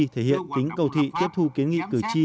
thể hiện tính cầu thị tiếp thu kiến nghị cử tri